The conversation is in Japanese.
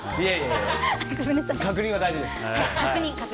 確認は大事です。